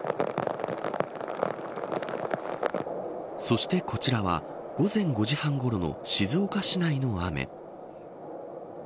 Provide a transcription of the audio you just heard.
そしてこちらは午前５時半ごろの静岡市内の雨。